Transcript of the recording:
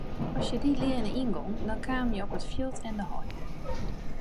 As je dy leane yngongen dan kamen je op it fjild en de heide.